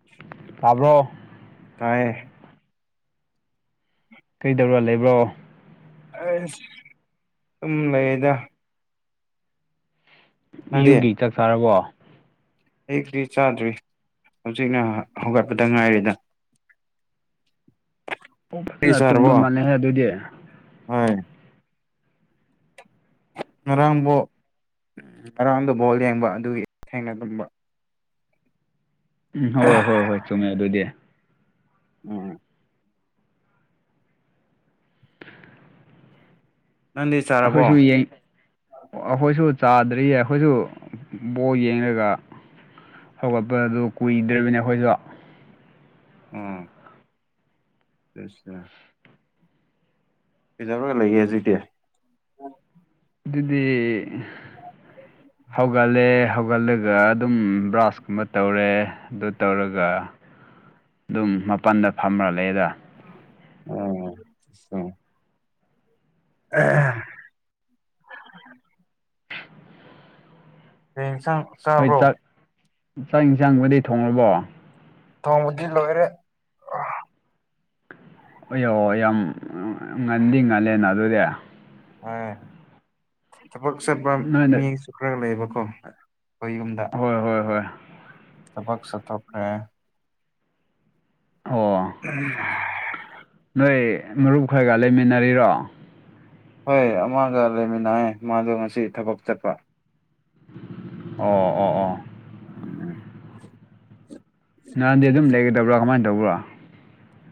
ꯎꯝ ꯇꯥꯕ꯭ꯔꯣ ꯇꯥꯏꯑꯦ ꯀꯩꯗꯧꯔ ꯂꯩꯕ꯭ꯔꯣ ꯑꯩꯁ ꯑꯗꯨꯝ ꯂꯩꯗ ꯑꯌꯨꯛꯒꯤ ꯆꯥꯛ ꯆꯥꯔꯕꯣ ꯑꯌꯨꯛꯇꯤ ꯆꯥꯗ꯭ꯔꯤ ꯍꯧꯖꯤꯛꯅ ꯍꯧꯒꯠꯄꯗ ꯉꯥꯏꯔꯤꯗ ꯑꯣ ꯀ꯭ꯔꯤ ꯐꯖꯅ ꯆꯥꯔꯕꯣ ꯇꯨꯝꯕ ꯃꯥꯜꯂꯦꯍꯦ ꯑꯗꯨꯗꯤ ꯍꯣꯏ ꯉꯔꯥꯡ ꯕꯣꯜ ꯉꯔꯥꯡꯗꯨ ꯕꯣꯜ ꯌꯦꯡꯕ ꯑꯗꯨꯒꯤ ꯊꯦꯡꯅ ꯇꯨꯝꯕ ꯎꯝ ꯍꯣꯏ ꯍꯣꯏ ꯍꯣꯏ ꯆꯨꯝꯃꯦ ꯑꯗꯨꯗꯤ ꯎꯝ ꯅꯪꯗꯤ ꯆꯥꯔꯕꯣ ꯑꯩꯈꯣꯏꯁꯨ ꯑꯩꯈꯣꯏꯁꯨ ꯆꯥꯗ꯭ꯔꯤꯌꯦ ꯑꯩꯈꯣꯏꯁꯨ ꯕꯣꯜ ꯌꯦꯡꯉꯒ ꯍꯧꯒꯠꯄꯗꯣ ꯀꯨꯏꯗ꯭ꯔꯤꯕꯅꯤ ꯑꯩꯈꯣꯏꯁꯨ ꯑꯥ ꯥꯆꯠꯂꯨꯁꯤꯗꯅ ꯀꯩꯗꯧꯔꯒ ꯂꯩꯒꯦ ꯑꯗꯨꯗꯤ ꯑꯗꯨꯗꯤ ꯍꯧꯒꯠꯂꯦ ꯍꯧꯒꯠꯂꯒ ꯑꯗꯨꯝ ꯕ꯭ꯔꯁ ꯀꯨꯝꯕ ꯇꯧꯔꯦ ꯑꯗꯨ ꯇꯧꯔꯒ ꯑꯗꯨꯝ ꯃꯄꯥꯜꯗ ꯐꯝꯃ ꯂꯩꯗ ꯎꯝ [unintelligible] ꯑꯥ ꯀꯩ ꯏꯟꯁꯥꯡ ꯍꯣꯏ ꯆꯥꯕ꯭ꯔꯣ ꯆꯥꯛ ꯆꯥꯛ ꯌꯦꯟꯁꯥꯡꯕꯨꯗꯤ ꯊꯣꯡꯉꯕꯣ ꯊꯣꯡꯕꯗꯤ ꯂꯣꯏꯔꯦ ꯑꯌꯣ ꯌꯥꯝ ꯉꯟꯗꯤ ꯉꯜꯂꯦꯅ ꯑꯗꯨꯗꯤ ꯑꯥ ꯊꯕꯛ ꯆꯠꯄ ꯅꯣꯏꯅ ꯃꯤ ꯈꯔ ꯂꯩꯌꯦꯕꯀꯣ ꯑꯩꯈꯣꯏ ꯌꯨꯝꯗ ꯍꯣꯏ ꯍꯣꯏ ꯍꯣꯏ ꯊꯕꯛ ꯆꯠꯊꯣꯛꯈ꯭ꯔꯦ ꯑꯣ ꯎꯝ ꯅꯣꯏ ꯃꯔꯨꯞ ꯈꯔꯒ ꯂꯩꯃꯤꯟꯅꯔꯤꯔꯣ ꯍꯣꯏ ꯑꯃꯒ ꯂꯩꯃꯤꯟꯅꯑꯦ ꯃꯥꯗꯣ ꯉꯁꯤ ꯊꯕꯛ ꯆꯠꯄ ꯑꯣ ꯑꯣ ꯎꯝ ꯅꯥꯟꯗꯤ ꯑꯗꯨꯝ ꯂꯩꯒꯗꯕ꯭ꯔꯥ ꯀꯃꯥꯏꯅ ꯇꯧꯕ꯭ꯔꯣ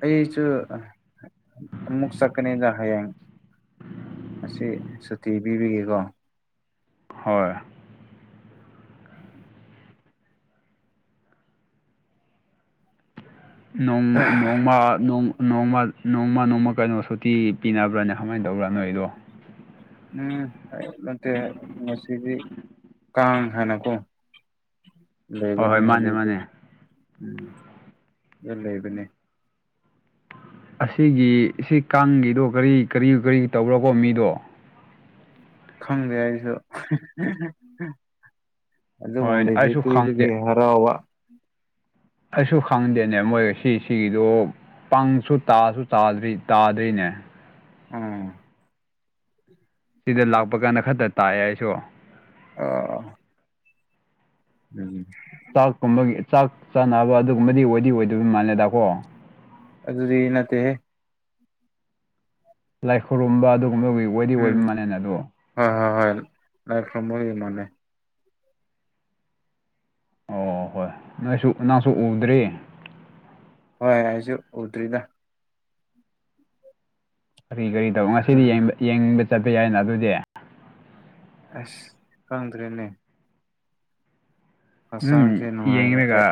ꯑꯩꯁꯨ ꯃꯨꯛ ꯆꯀꯅꯦꯖ ꯍꯌꯦꯡ ꯑꯁꯤ ꯁꯨꯇꯤ ꯄꯤꯕꯤꯒꯦꯀꯣ ꯍꯣꯏ ꯎꯝ ꯅꯣꯡ ꯅꯣꯡꯃ ꯅꯣꯡ ꯅꯣꯡꯃ ꯅꯣꯡꯃ ꯅꯣꯡꯃ ꯀꯩꯅꯣ ꯁꯨꯇꯤ ꯄꯤꯅꯕ꯭ꯔꯅꯦ ꯀꯃꯥꯏꯅ ꯇꯧꯕ꯭ꯔꯥ ꯅꯣꯏ ꯑꯩꯗꯣ ꯎꯝ ꯅꯠꯇꯦ ꯉꯁꯤꯗꯤ ꯀꯥꯡ ꯍꯥꯏꯅꯀꯣ ꯍꯣꯏ ꯂꯩꯕꯅꯤ ꯍꯣꯏ ꯃꯥꯅꯦ ꯍꯧꯖꯤꯛꯗꯤ ꯃꯥꯅꯦ ꯎꯝ ꯂꯩꯕꯅꯦ ꯑꯁꯤꯒꯤ ꯁꯤ ꯀꯥꯡꯒꯤꯗꯣ ꯀꯔꯤ ꯀꯔꯤ ꯀꯔꯤ ꯇꯧꯕ꯭ꯔꯀꯣ ꯃꯤꯗꯣ ꯈꯪꯗꯦ ꯑꯩꯁꯨ ꯑꯗꯨꯏ ꯍꯣꯏꯅꯦ ꯃꯃꯥꯡꯗ ꯑꯩꯁꯨ ꯈꯪꯗꯦ ꯂꯩ ꯍꯔꯥꯎꯕ ꯑꯩꯁꯨ ꯈꯪꯗꯦꯅꯦ ꯃꯣꯏ ꯁꯤꯁꯤꯒꯤꯗꯣ ꯀꯥꯡꯁꯨ ꯇꯥꯁꯨ ꯇꯥꯗ꯭ꯔꯤ ꯇꯥꯗ꯭ꯔꯤꯅꯦ ꯎꯝ ꯁꯤꯗ ꯂꯥꯛꯄ ꯀꯥꯟꯗ ꯈꯛꯇ ꯇꯥꯏꯑꯦ ꯑꯩꯁꯨ ꯑꯣ ꯑꯣ ꯎꯝ ꯆꯥꯛꯀꯨꯝꯕꯒꯤ ꯆꯥꯛ ꯆꯥꯅꯕ ꯑꯗꯨꯒꯨꯝꯕꯗꯤ ꯑꯣꯏꯗꯤ ꯑꯣꯏꯗꯣꯏꯕ ꯃꯥꯜꯂꯦꯗꯥꯛꯀꯣ ꯑꯗꯨꯗꯤ ꯅꯠꯇꯦꯍ ꯂꯥꯏ ꯈꯨꯔꯨꯝꯕ ꯑꯗꯨꯒꯨꯝꯕ ꯑꯣꯏꯗꯤ ꯎꯝ ꯑꯣꯏꯕ ꯃꯜꯂꯅ ꯑꯗꯣ ꯍꯣꯏ ꯍꯣꯏ ꯍꯣꯏ ꯂꯥꯏꯝ ꯃꯅꯦ ꯑꯣ ꯍꯣꯏ ꯅꯣꯏꯁꯨ ꯅꯪꯁꯨ ꯎꯗ꯭ꯔꯤ ꯍꯣꯏ ꯑꯩꯁꯨ ꯎꯗ꯭ꯔꯤꯗ ꯀꯔꯤ ꯀꯔꯤ ꯇꯧ ꯉꯁꯤꯗꯤ ꯌꯦꯡꯅꯤꯡꯕ ꯆꯠꯄ ꯌꯥꯏꯗꯅ ꯑꯗꯨꯗꯤ ꯑꯁ ꯈꯪꯗ꯭ꯔꯦꯅꯦ ꯑꯗꯨꯝ ꯍꯛꯆꯥꯡꯁꯦ ꯅꯨꯡꯉꯥꯏꯔꯗ꯭ꯔꯦ ꯌꯦꯡꯒ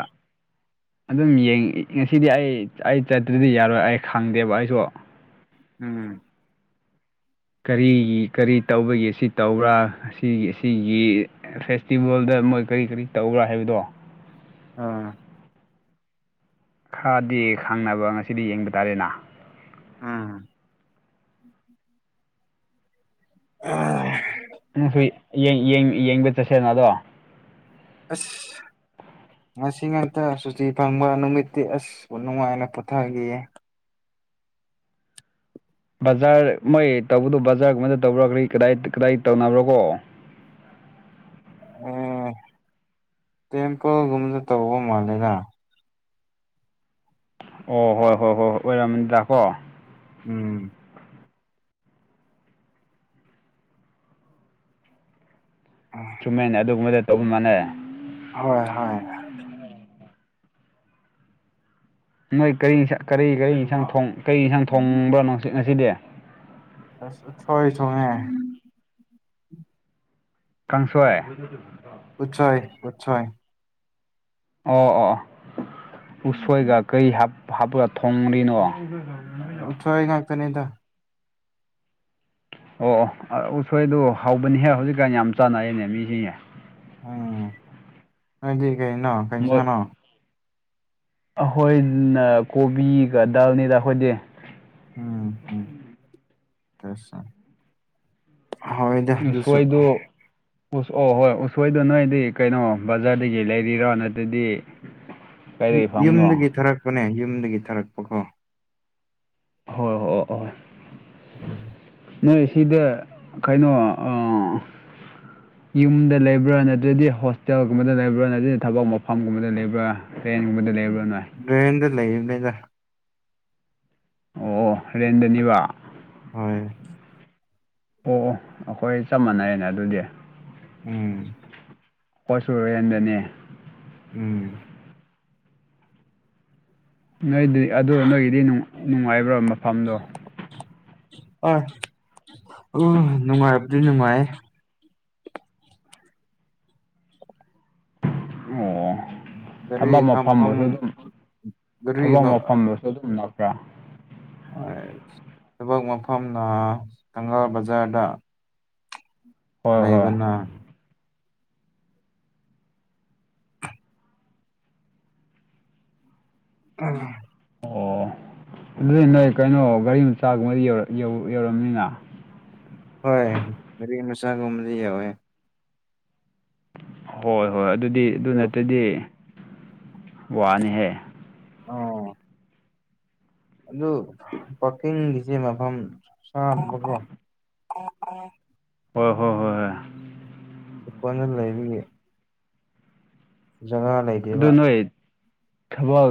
ꯑꯗꯨꯝ ꯌꯦꯡ ꯉꯁꯤꯗꯤ ꯑꯩ ꯑꯩ ꯆꯠꯇ꯭ꯔꯗꯤ ꯌꯥꯔꯣꯏ ꯑꯩ ꯈꯪꯗꯦꯕ ꯑꯩꯁꯨ ꯎꯝ ꯀꯔꯤꯒꯤ ꯀꯔꯤ ꯇꯧꯕꯒꯤ ꯑꯁꯤ ꯇꯧꯕ꯭ꯔꯥ ꯑꯁꯤꯒꯤ ꯑꯁꯤꯒꯤ ꯐꯦꯁꯇꯤꯚꯦꯜꯗ ꯃꯣꯏ ꯀꯔꯤ ꯀꯔꯤ ꯇꯧꯕ꯭ꯔꯥ ꯍꯥꯏꯕꯗꯣ ꯑꯥ ꯈꯔꯗꯤ ꯈꯪꯅꯕ ꯉꯁꯤꯗꯤ ꯌꯦꯡꯕ ꯇꯥꯔꯦꯅꯦ ꯎꯝ [unintelligible] ꯅꯪꯁꯨ ꯌꯦꯡꯕ ꯆꯠꯁꯦꯅ ꯑꯗꯣ ꯑꯁ ꯉꯁꯤ ꯉꯥꯛꯇ ꯁꯨꯇꯤ ꯐꯪꯕ ꯅꯨꯃꯤꯠꯇꯤ ꯑꯁ ꯅꯨꯡꯉꯥꯏꯅ ꯄꯨꯊꯈꯤꯌꯦ ꯕꯖꯥꯔ ꯃꯣꯏ ꯇꯧꯕꯗꯣ ꯕꯖꯥꯔꯒꯨꯝꯃꯥꯏꯗ ꯇꯧꯕ꯭ꯔꯥꯒꯔꯤ ꯀꯗꯥꯏ ꯀꯗꯥꯏ ꯇꯧꯅꯕ꯭ꯔꯣ ꯀꯣ ꯑꯦ ꯇꯦꯝꯄꯜꯒꯨꯝꯕꯗ ꯇꯧꯕ ꯃꯥꯜꯂꯦꯗ ꯑꯣ ꯍꯣꯏ ꯍꯣꯏ ꯍꯣꯏ ꯍꯣꯏ ꯑꯣꯏꯔꯝꯃꯅꯤꯗꯀꯣ ꯎꯝ [unintelligible] ꯆꯨꯝꯃꯦꯟ ꯑꯗꯨꯒꯨꯝꯕꯗ ꯇꯧꯕ ꯃꯥꯟꯅꯦ ꯍꯣꯏ ꯍꯣꯏ ꯅꯣꯏ ꯀꯔꯤ ꯀꯔꯤ ꯀꯔꯤ ꯏꯟꯁꯥꯡ ꯀꯔꯤ ꯏꯟꯁꯥꯡ ꯊꯣꯡꯕꯅꫭ ꯉꯁꯤꯗꯤ [unintelligible] ꯀꯥꯡꯁꯣꯏ ꯎꯠꯁꫭꯏ ꯎꯠꯁꫭꯏ ꯑꯣ ꯑꯣ ꯎꯁꯣꯏꯒ ꯀꯩ ꯍꯥꯞ ꯍꯥꯞꯄ ꯊꯣꯡꯔꯤꯅꯣ꯫ ꯑꯥ ꯎꯁꯣꯏ ꯉꯥꯛꯇꯅꯤꯗ ꯑꯣ ꯑꯣ ꯎꯁꯣꯏꯗꯨ ꯍꯧꯕꯅꯤꯍꯦ ꯍꯧꯖꯤꯛꯀꯥꯟ ꯌꯥꯝ ꯆꯥꯟꯅꯩꯅꯦ ꯃꯤꯁꯤꯡꯁꯦ꯫ ꯎꯝ ꯅꯣꯏꯗꯤ ꯀꯩꯅꯣ ꯀꯩꯏꯟꯁꯥꯡꯅꯣ꯫ ꯑꯈꯣꯏꯅ ꯀꯣꯕꯤꯒ ꯗꯥꯜꯅꯤꯗ ꯑꯈꯣꯏꯗꯤ ꯎꯝꯝ [unintelligible] ꯍꯣꯏꯗ [unintelligible] ꯁꯣꯏꯗꯨ ꯎꯁ ꯑꯣ ꯍꯣꯏ ꯎꯁꯣꯏꯗꯣ ꯅꯣꯏꯗꯤ ꯀꯩꯅꯣ ꯕꯖꯥꯔꯗꯒꯤ ꯂꯩꯔꯤꯔꯣ ꯅꯠꯇ꯭ꯔꯗꯤ ꯀꯥꯏꯗꯒꯤ ꯌꯨꯝꯗꯒꯤ ꯐꯪꯕꯅꯣ ꯊꯥꯔꯛꯄꯅꯦ ꯌꯨꯝꯗꯒꯤ ꯊꯥꯔꯛꯄꯀꯣ ꯍꯣꯏ ꯍꯣꯏ ꯍ ꯍꯣꯏ [inaudible] ꯅꯣꯏ ꯁꯤꯗ ꯀꯩꯅꯣ ꯌꯨꯝꯗ ꯂꯩꯕ꯭ꯔꯥ ꯅꯠꯇ꯭ꯔꯗꯤ ꯍꯣꯁꯇꯦꯜꯒꯨꯝꯕꯗ ꯂꯩꯕ꯭ꯔꯥ ꯅꯠꯇ꯭ꯔꯗꯤ ꯊꯕꯛ ꯃꯐꯝꯒꯨꯝꯕꯗ ꯂꯩꯕ꯭ꯔꯥ ꯇ꯭ꯔꯦꯟꯒꯨꯝꯕꯗ ꯂꯩꯕ꯭ꯔꯥ ꯅꫭꯏ [unintelligible] ꯑꯣ ꯑꯣ ꯍꯣꯔꯦꯟꯗꯅꯤꯕ꯫ ꯍꯣꯏ ꯑꯣꯑꯣ ꯑꯈꯣꯏ ꯆꯞ ꯃꯥꯟꯅꯩꯅꯦ ꯑꯗꯨꯗꯤ ꯎꯝ ꯃꯣꯏꯁꯨ ꯔꯦꯟꯗꯅꯦ꯫ ꯎꯝ ꯅꯣꯏꯗꯤ ꯑꯗꯨ ꯅꯣꯏꯒꯤꯗꯤ ꯅꯨꯡꯉꯥꯏꯕ꯭ꯔꯥ ꯃꯐꯝꯗꯣ ꯍꯣꯏ ꯎ ꯅꯨꯡꯉꯥꯏꯕꯗꯤ ꯅꯨꯡꯉꯥꯏꯌꯦ꯫ ꯑꯣ [inaudible] ꯊꯕꯛ ꯃꯐꯝ ꯀꯥꯝꯐꯝ ꯑꯣꯏꯁꯨ ꯑꯗꯨꯝ ꯒꯥꯔꯤ ꯊꯕꯛ ꯃꯐꯝꯗꯁꯨ ꯑꯗꯨꯝ ꯅꯥꯛꯄ꯭ꯔꯥ꯫ [unintelligible] ꯊꯕꯛ ꯃꯐꯝꯅ ꯊꯪꯒꯥꯜ ꯕꯖꯥꯔꯗ꯫ ꯍꯣꯏ ꯍꯣꯏ ꯂꯩꯕꯅ ꯎꯝ ꯑꯣ ꯑꯗꯨꯗꯤ ꯅꯣꯏ ꯀꯩꯅꯣ ꯒꯥꯔꯤ ꯃꯆꯥꯒꯨꯝꯕꯗꯤ ꯌꯧ ꯌꯧꯔꯝꯅꯤꯅ꯫ ꯍꯣꯏ ꯒꯔꯤ ꯃꯆꯥꯒꯨꯝꯕꯗꯤ ꯌꯥꯎꯋꯦ꯫ ꯍꯣꯏ ꯍꯣꯏ ꯑꯗꯨꯗꯤ ꯑꯗꯨ ꯅꯠꯇ꯭ꯔꯗꯤ ꯋꯥꯅꯤꯍꯦ꯫ ꯑꯣ ꯑꯗꯨ ꯄꯥꯛꯀꯤꯡꯒꯤꯁꯦ ꯃꯐꯝ ꯆꯥꯗꯕꯀꯣ [unintelligible] ꯍꯣꯏ ꯍꯣꯏ ꯍꯣꯏ ꯍꯣꯏ ꯑꯩ ꯀꯣꯟꯅ ꯂꯩꯔꯤꯌꯦ꯫ ꯖꯒ ꯂꯩ ꯑꯗꯨ ꯅꯣꯏ ꯊꯕꯛ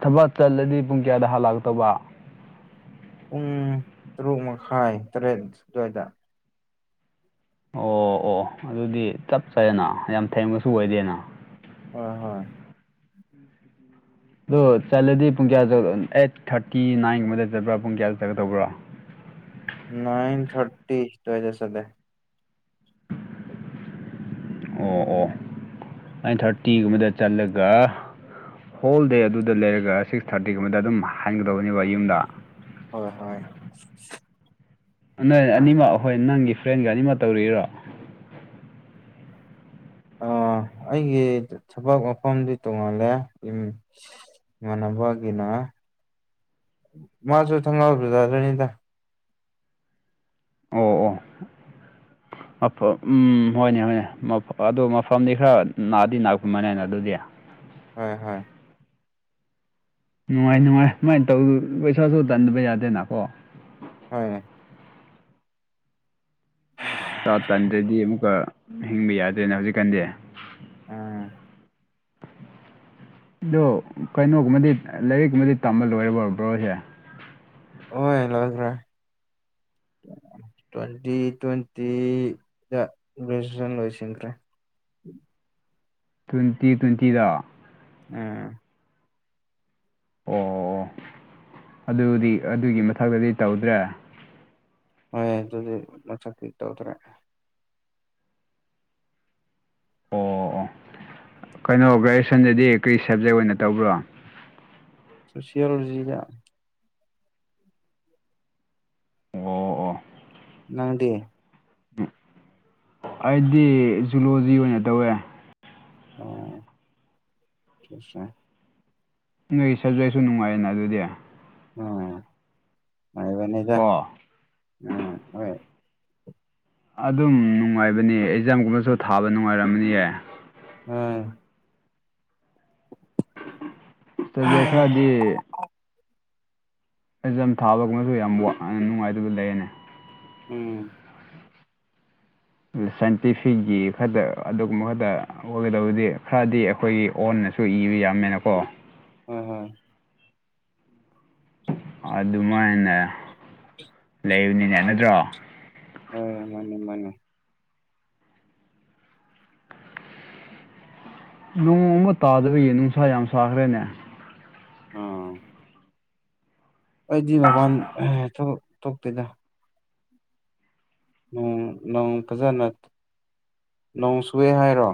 ꯊꯕꯛ ꯆꯠꯂꯗꯤ ꯄꯨꯡ ꯀꯌꯥꯗ ꯍꯜꯂꯛ ꯇꯧꯕ꯫ ꯄꯨꯡ ꯇꯔꯨꯛ ꯃꯈꯥꯏ ꯇꯔꯦꯠ ꯁꯨꯋꯥꯏꯗ꯫ ꯑꯣ ꯑꯣ ꯑꯗꯨꯗꯤ ꯆꯞ ꯆꯥꯩꯅ ꯌꯥꯝ ꯊꯦꯡꯕꯁꯨ ꯑꯣꯏꯗꯦꯅ ꯑꯣ ꯍꯣꯏ ꯑꯗꯣ ꯆꯠꯂꯔꯗꯤ ꯄꯨꯡ ꯀꯌꯥꯁꯨ ꯑꯦꯠ ꯊ꯭ꯔꯥꯇꯤ ꯅꯥꯏꯟꯒꯨꯝꯕꯗ ꯆꯠꯄ꯭ꯔꯥ ꯄꯨꯡ ꯀꯌꯥ ꯆꯠꯀꯗꯧꯕꯔ꯫ ꯅꯥꯏꯟ ꯊ꯭ꯔꯥꯇꯤ ꯑꯗꯨꯋꯥꯏꯗ ꯆꯠꯂꯦ꯫ ꯑꯣ ꯑꯣ ꯅꯥꯏꯟ ꯊ꯭ꯔꯥꯇꯤꯒꯨꯝꯕꯗ ꯆꯠꯂꯒ ꯍꯣꯜ ꯗꯦ ꯑꯗꯨꯗ ꯂꯩꯔꯒ ꯁꯤꯛꯁ ꯊ꯭ꯔꯥꯇꯤꯒꯨꯝꯕꯗ ꯑꯗꯨꯝ ꯍꯥꯏꯒꯗꯕꯅꯦꯕ ꯌꯨꯝꯗ꯫ ꯍꯣꯏ ꯍꯣꯏ ꯅꯣꯏ ꯑꯅꯤꯃꯛ ꯑꯈꯣꯏ ꯅꯪꯒꯤ ꯐ꯭ꯔꯦꯟꯒ ꯑꯅꯤꯃꯛ ꯇꯧꯔꯛꯏꯔꯣ꯫ ꯑꯥ ꯑꯩꯒꯤ ꯊꯕꯛ ꯃꯐꯝꯗꯤ ꯇꯣꯡꯉꯥꯜꯂꯦ ꯎꯝ ꯃꯅꯥꯕꯒꯤꯅ ꯃꯥꯁꯨ ꯊꯪꯒꯥꯜ ꯕꯖꯔꯗꯅꯤꯗ꯫ ꯑꯣ ꯑꯣ ꯃꯐꯝ ꯎꯝ ꯍꯣꯏꯅꯦ ꯍꯣꯏꯅꯦ ꯑꯗꯨ ꯃꯐꯝꯗꯤ ꯈꯔ ꯅꯥꯗꯤ ꯅꯥꯛꯄ ꯃꯅꯦꯅ ꯑꯗꯨꯗꯤ ꯍꯣꯏ ꯍꯣꯏ ꯅꯨꯡꯉꯥꯏ ꯅꯨꯡꯉꯥꯏ ꯁꯨꯃꯥꯏꯅ ꯇꯧ ꯄꯩꯁꯥꯁꯨ ꯇꯟꯗꯕ ꯌꯥꯗꯦꯅꯀꯣ ꯍꯣꯢ ꯆꯥꯛ ꯇꯟꯗ꯭ꯔꯗꯤ ꯑꯃꯨꯛꯀ ꯍꯤꯡꯕ ꯌꯥꯗ꯭ꯔꯦꯅ ꯍꯧꯖꯤꯛꯀꯥꯟꯗꯤ ꯎꯝ ꯑꯗꯣ ꯀꯩꯅꯣꯒꯨꯝꯕꯗꯤ ꯂꯥꯏꯔꯤꯛꯀꯨꯝꯕꯗꯤ ꯇꯝꯕ ꯂꯣꯏꯔꯕꯣ ꯕ꯭ꯔꯣꯁꯦ ꯑꯣꯢ ꯂꯣꯢꯈ꯭ꯔꯦ ꯇ꯭ꯋꯦꯟꯇꯤ ꯇ꯭ꯋꯦꯟꯇꯤꯗ ꯒ꯭ꯔꯦꯖꯨꯑꯦꯁꯟ ꯂꯣꯏꯁꯤꯟꯈ꯭ꯔꯦ ꯇ꯭ꯋꯦꯟꯇꯤ ꯇ꯭ꯋꯦꯟꯇꯤꯖ [unintelligible] ꯑꯣ ꯑꯣ ꯑꯗꯨꯗꯤ ꯑꯗꯨꯒꯤ ꯃꯊꯛꯇꯗꯤ ꯇꯧꯗ꯭ꯔꯦ꯫ ꯍꯣꯏ ꯑꯗꯨꯗꯤ ꯃꯊꯛꯀꯤ ꯇꯧꯗ꯭ꯔꯦ꯫ ꯑꯣ ꯑꯣ ꯀꯩꯅꯣ ꯒ꯭ꯔꯦꯖꯨꯁꯟꯗꯗꯤ ꯀꯔꯤ ꯁꯕꯖꯦꯛ ꯑꯣꯏꯅ ꯇꯧꯕ꯭ꯔꯣ꯫ [unintelligible] ꯑꯣ ꯑꯣ ꯅꯪꯗꯤ ꯑꯩꯗꯤ ꯖꯨꯂꯣꯖꯤ ꯑꯣꯏꯅ ꯇꯧꯋꯦ꯫ ꯑꯣ [unintelligible] ꯅꯣꯏ ꯁꯕꯖꯦꯛꯁꯨ ꯅꯨꯡꯉꯥꯏꯌꯦꯅ ꯑꯗꯨꯗꯤ ꯎꯝ ꯃꯕꯅꯤꯗ ꯀꯣ ꯎꯝ ꯍꯣꯏ ꯑꯗꯨꯝ ꯅꯨꯡꯉꯥꯏꯕꯅꯦ ꯑꯦꯛꯖꯥꯝꯒꯨꯝꯕꯁꯨ ꯊꯥꯕ ꯅꯨꯡꯉꯥꯏꯔꯝꯃꯅꯤꯌꯦ ꯎꯝ ꯇꯖꯩ ꯈꯔꯗꯤ ꯑꯩꯖꯝ ꯊꯥꯕꯒꯨꯕꯁꯨ ꯌꯥꯝ ꯋꯥꯅ ꯅꯨꯡꯉꯥꯏꯗꯨꯕ ꯂꯩꯌꯦꯅꯦ ꯎꯝ ꯁꯥꯏꯟꯇꯤꯐꯤꯛꯀꯤ ꯈꯛꯇ ꯑꯗꯨꯒꯨꯝꯕ ꯈꯛꯇ ꯑꯣꯏꯒꯗꯕꯗꯤ ꯈꯔꯗꯤ ꯑꯩꯈꯣꯏꯒꯤ ꯑꯣꯟꯅꯁꯨ ꯏꯕ ꯌꯥꯝꯃꯦꯅꯀꯣ ꯍꯣꯏ ꯍꯣꯏ ꯑꯗꯨꯃꯥꯏꯅ ꯂꯩꯕꯅꯤꯅꯦ ꯅꯠꯇ꯭ꯔꯣ ꯍꯣꯏ ꯃꯥꯅꯤ ꯃꯥꯅꯤ ꯅꯣꯡ ꯒꯨꯝꯕ ꯇꯥꯗꯕꯩ ꯅꯨꯡꯁꯥ ꯌꯥꯝ ꯁꯥꯈ꯭ꯔꯦꯅꯦ ꯑꯣ ꯑꯩꯗꯤ ꯃꯄꯥꯟ ꯊꯣ ꯊꯣꯛꯇꯣꯏꯗ ꯅꯣꯡ ꯐꯖꯅ ꯅꯣꯡ ꯁꯨꯑꯦ ꯍꯥꯏꯔꯣ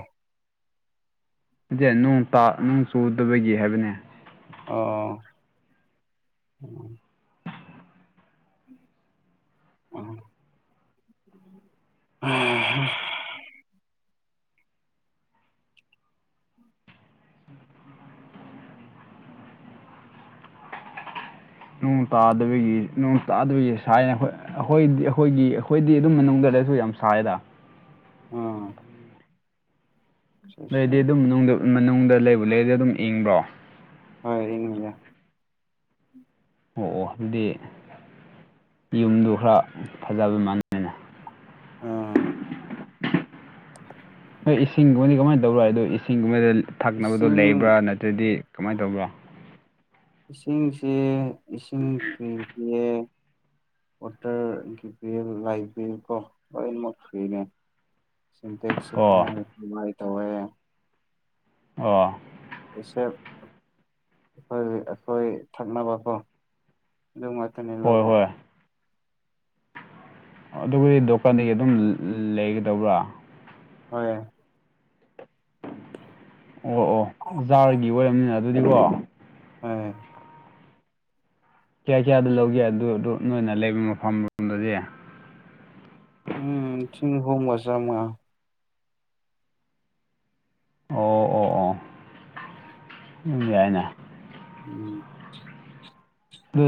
ꯅꯠꯇꯦ ꯅꯣꯡ ꯇꯥ ꯅꯣꯡ ꯆꯨꯗꯕꯒꯤ ꯍꯥꯏꯕꯅꯦ ꯑꯣ [unintelligible] ꯅꯣꯡ ꯇꯥꯗꯕꯒꯤ ꯅꯣꯡ ꯇꯥꯗꯕꯒꯤ ꯁꯥꯏꯌꯦ ꯑꯩꯈꯣꯏ ꯑꯩꯈꯣꯏꯗꯤ ꯑꯩꯈꯣꯏꯒꯤ ꯑꯩꯈꯣꯏꯗꯤ ꯑꯗꯨꯝ ꯃꯅꯨꯡꯗ ꯂꯩꯔꯁꯨ ꯌꯥꯝ ꯁꯥꯏꯗ ꯑꯣ ꯅꯣꯏꯗꯤ ꯑꯗꯨꯝ ꯃꯅꯨꯡꯗ ꯃꯅꯨꯡꯗ ꯂꯩꯕꯨ ꯂꯩꯔꯗꯤ ꯑꯗꯨꯝ ꯏꯪꯕ꯭ꯔꯣ ꯍꯣꯏ ꯏꯪꯉꯤꯗ ꯑꯣ ꯑꯣ ꯑꯗꯨꯗꯤ ꯌꯨꯝꯗꯨ ꯈꯔ ꯐꯖꯕ ꯃꯅ ꯑꯥ [unintelligible] ꯍꯣꯏ ꯏꯁꯤꯡꯒꯨꯝꯕꯗꯤ ꯀꯃꯥꯏꯅ ꯇꯧꯕ꯭ꯔꯣ ꯑꯗꯣ ꯏꯁꯤꯡꯒꯨꯝꯕꯗ ꯊꯛꯅꯕꯗꯣ ꯂꯩꯕ꯭ꯔꯥ ꯏꯁꯤꯡ ꯅꯠꯇ꯭ꯔꯗꯤ ꯀꯃꯥꯏꯅ ꯇꯧꯕ꯭ꯔꯣ ꯏꯁꯤꯡꯁꯦ ꯏꯁꯤꯡ [unintelligible] ꯑꯣꯇꯔ ꯀꯤ ꯄꯦꯜ ꯂꯥꯏꯕꯤ ꯀꯣ ꯂꯣꯏ ꯃꯛꯈ꯭ꯔꯦꯅꯦ ꯁꯤꯟꯇꯦꯛꯁꯨ ꯑꯣ ꯄꯨꯝꯃꯣꯏ ꯄꯨꯝꯃꯥꯏ ꯇꯧꯋꯦ ꯌꯦ ꯑꯣ ꯏꯁ ꯑꯩꯈꯣꯏ ꯑꯩꯈꯣꯏ ꯊꯛꯅꯕꯀꯣ ꯑꯗꯨ ꯉꯥꯛꯇꯅꯦ ꯍꯣꯏ ꯂꯧꯕ ꯍꯣꯏ ꯑꯗꯨꯕꯨꯗꯤ ꯗꯨꯀꯥꯟꯗꯒꯤ ꯑꯗꯨꯝ ꯂꯩꯒꯗꯧꯕ꯭ꯔꯥ ꯍ ꯑꯣ ꯑꯣ ꯖꯥꯔꯒꯤ ꯑꯣꯏꯔꯕꯅꯤꯅ ꯑꯗꯨꯗꯤꯀꯣ ꯎꯝ ꯀꯌꯥ ꯀꯌꯥꯗꯣ ꯂꯧꯒꯦ ꯑꯗꯨ ꯑꯗꯨ ꯅꯣꯏꯅ ꯂꯩꯕ ꯃꯐꯝꯣꯝꯗꯗꯤ ꯎꯝ ꯊꯤꯡ ꯍꯣ ꯃꯖꯃꯥ ꯑꯣ ꯑꯣ ꯑꯣ ꯌꯥꯏꯅ ꯎꯝ ꯑꯗꯨ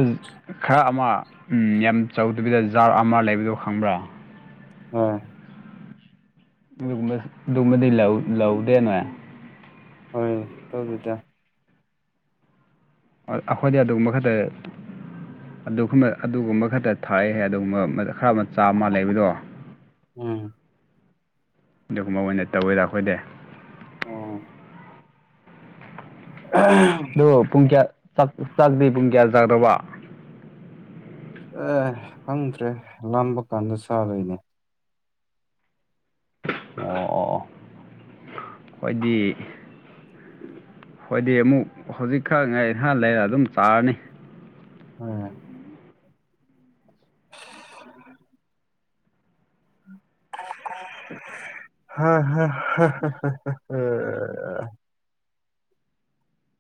ꯈꯔ ꯑꯃ ꯌꯥꯝ ꯆꯥꯎꯗꯕꯤꯗ ꯖꯥꯔ ꯑꯃ ꯂꯩꯕꯗꯣ ꯈꯪꯕ꯭ꯔꯥ ꯍꯣꯏ ꯑꯗꯨꯒꯨꯝꯕꯥ ꯑꯗꯨꯒꯨꯝꯕꯥꯗꯤ ꯂꯧꯗꯦ ꯅꯣꯏ ꯍꯣꯏ ꯇꯧꯗꯦꯗ ꯑꯩꯈꯣꯏꯗꯤ ꯑꯗꯨꯒꯨꯝꯕ ꯈꯛꯇ ꯑꯗꯨꯒꯨꯝꯕ ꯑꯗꯨꯒꯨꯝꯕ ꯈꯛꯇ ꯊꯥꯏ ꯍꯥꯏ ꯑꯗꯨꯒꯨꯝꯕ ꯈꯔ ꯆꯥꯃ ꯂꯩꯕꯗꯣ ꯎꯝ ꯑꯗꯨꯒꯨꯝꯕ ꯑꯣꯏꯅ ꯇꯧꯋꯦꯗ ꯑꯩꯈꯣꯏꯗꯤ ꯑꯣ ꯑ ꯑꯗꯣ ꯄꯨꯡ ꯀꯌꯥ ꯆꯥꯛꯗꯦ ꯄꯨꯡ ꯀꯌꯥ ꯆꯥꯛꯗꯕ ꯑꯦ ꯈꯪꯗ꯭ꯔꯦ ꯂꯥꯝꯕ ꯀꯥꯟꯗ ꯆꯥꯗꯣꯏꯅꯦ ꯑꯣ ꯑꯣ ꯑꯩ ꯈꯣꯏꯗꯤ ꯍꯣꯏꯗꯤ ꯑꯃꯨꯛ ꯍꯧꯖꯤꯛ ꯈꯛ ꯉꯥꯏꯍꯥꯛ ꯂꯩꯔ ꯑꯗꯨꯝ ꯆꯥꯔꯅꯤ ꯍꯣꯢ [unintelligible] [unintelligible] ꯍꯥ ꯍ